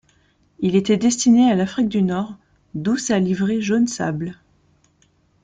Il était destiné à l'Afrique du Nord, d'où sa livrée jaune sable.